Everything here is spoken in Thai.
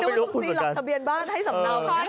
นี่มันภูมิสีหลักทะเบียนบ้านให้สำนัก